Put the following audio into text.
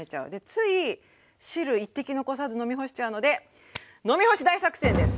つい汁一滴残さず飲みほしちゃうので「飲みほし大作戦！」です。